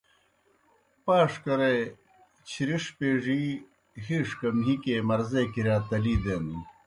پاشکرے چِھرِݜ پیڙِی ہِیݜ گہ مِھیکیئے مرضے کِرِیا تلی دینَن۔